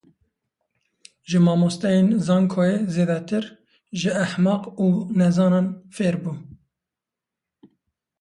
Ji mamosteyên zankoyê zêdetir, ji ehmeq û nezanan fêr bûm.